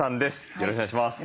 よろしくお願いします。